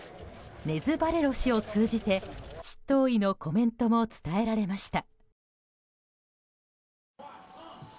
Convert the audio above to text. ネズ・バレロ氏を通じて執刀医のコメントも伝えられました。